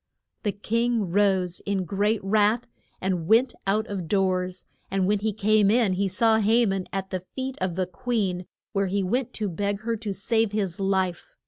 The king rose in great wrath and went out of doors, and when he came in he saw Ha man at the feet of the queen, where he went to beg her to save his life.